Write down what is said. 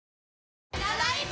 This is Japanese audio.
ただいま。